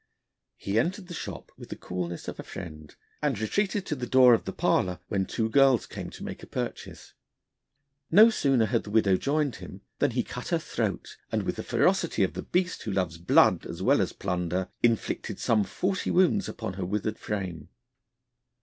He entered the shop with the coolness of a friend, and retreated to the door of the parlour when two girls came to make a purchase. No sooner had the widow joined him than he cut her throat, and, with the ferocity of the beast who loves blood as well as plunder, inflicted some forty wounds upon her withered frame.